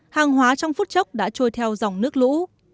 hàng hóa trong phút chốc đã trôi theo dòng nước lũ